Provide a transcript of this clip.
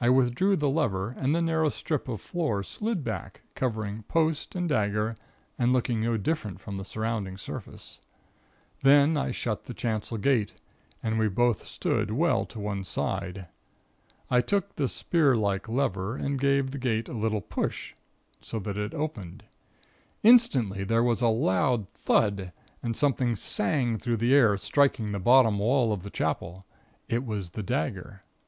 I withdrew the lever and the narrow strip of floor slid back, covering post and dagger, and looking no different from the surrounding surface. Then I shut the chancel gate, and we both stood well to one side. I took the spear like lever, and gave the gate a little push, so that it opened. Instantly there was a loud thud, and something sang through the air, striking the bottom wall of the Chapel. It was the dagger.